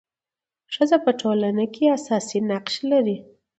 ښځه په ټولنه کي اساسي نقش لري.